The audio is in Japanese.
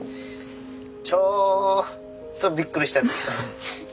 ちょっとびっくりしたけど。